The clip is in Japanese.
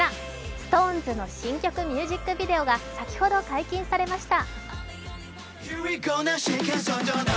ＳｉｘＴＯＮＥＳの新曲ミュージックビデオが先ほど解禁されました。